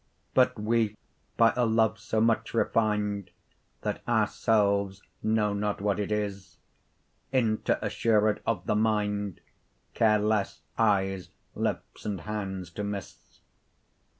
But we by a love, so much refin'd, That our selves know not what it is, Inter assured of the mind, Care lesse, eyes, lips, and hands to misse.